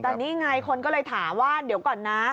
แต่นี่ไงคนก็เลยถามว่าเดี๋ยวก่อนนะ